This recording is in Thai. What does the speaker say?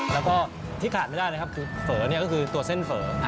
แล้วก็ที่ขาดไม่ได้นะครับคือเฝอก็คือตัวเส้นเฝอ